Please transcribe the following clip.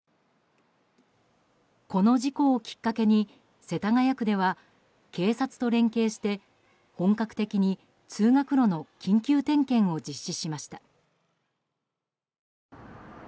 この事故をきっかけに世田谷区では警察と連携して本格的に通学路の緊急点検を実施しました。